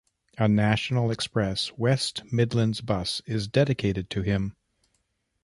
A National Express West Midlands bus is dedicated to him.